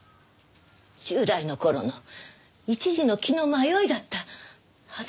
１０代の頃の一時の気の迷いだったはずなんです。